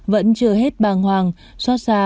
vẫn chưa hết bàng hoàng xót xa